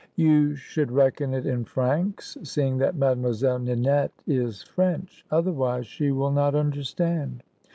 "You should reckon it in francs, seeing that Mademoiselle Ninette is French. Otherwise she will not understand."